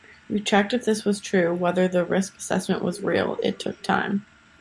We checked if this was true, whether the risk assessment was real - it took time.